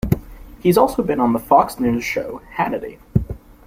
He has also been on the Fox News show "Hannity".